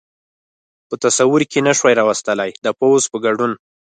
په تصور کې نه شوای را وستلای، د پوځ په ګډون.